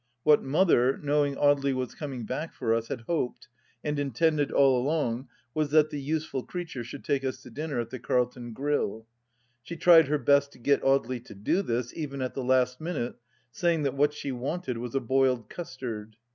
What Mother, knowing Audely was coming back for us, had hoped, and intended all along, was that the useful creature should take us to dinner at the Carlton Grill. She tried her best to get Audely to do this, even at the last minute, saying that what she wanted was a boiled custard.